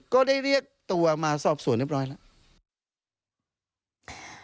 ก็ได้เรียกตัวมาสอบสวนเรียบร้อยแล้ว